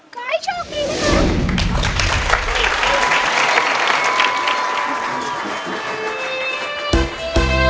กายชอบดีนะครับ